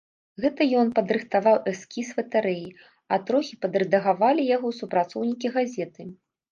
Гэта ён падрыхтаваў эскіз латарэі, а трохі падрэдагавалі яго супрацоўнікі газеты.